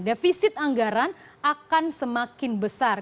defisit anggaran akan semakin besar